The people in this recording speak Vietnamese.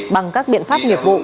bằng các biện pháp nghiệp vụ